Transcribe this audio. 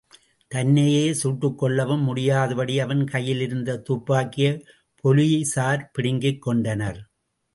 தன்னையே சுட்டுக்கொள்ளவும் முடியாதபடி அவன் கையிலிருந்த துப்பாக்கியை போலீஸார் பிடுங்கிக் கொண்டனர்.